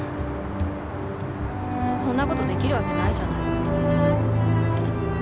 そんなことできるわけないじゃない。